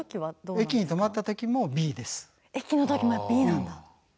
駅の時もＢなんだ。